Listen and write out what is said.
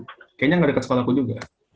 kayaknya nggak dekat sekolahku juga